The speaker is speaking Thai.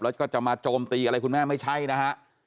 แล้วก็จะมาโจมตีอะไรคุณแม่ไม่ใช่นะฮะ